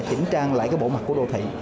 chỉnh trang lại bộ mặt của đô thị